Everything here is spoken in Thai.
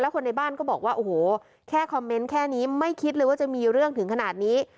คนในบ้านก็บอกว่าโอ้โหแค่คอมเมนต์แค่นี้ไม่คิดเลยว่าจะมีเรื่องถึงขนาดนี้